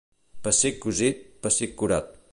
Pessic cosit, pessic curat.